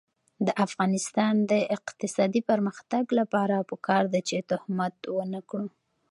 د افغانستان د اقتصادي پرمختګ لپاره پکار ده چې تهمت ونکړو.